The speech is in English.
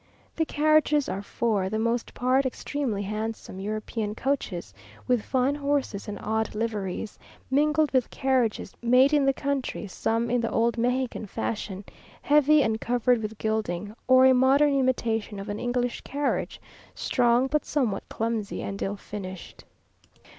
The carriages are for the most part extremely handsome European coaches with fine horses and odd liveries, mingled with carriages made in the country, some in the old Mexican fashion, heavy and covered with gilding, or a modern imitation of an English carriage, strong, but somewhat clumsy and ill finished.